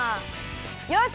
よし！